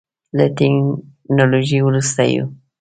له ټکنالوژۍ وروسته یو.